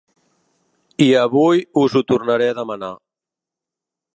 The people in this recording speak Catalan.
I avui us ho tornaré a demanar.